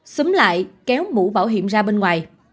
xúm lại kéo mũ bảo hiểm ra bên ngoài